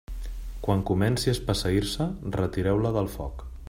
Quan comenci a espesseir-se, retireu-la del foc.